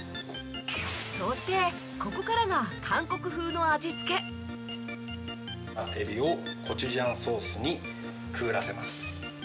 そしてここからが韓国風の味付けエビをコチュジャンソースにくぐらせます。